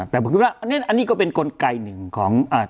แต่ผมคิดว่าอันนี้ก็เป็นกลไกหนึ่งของ